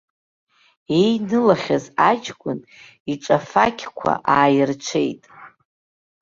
Еинылахьаз аҷкәын иҿафақьқәа ааирҽеит.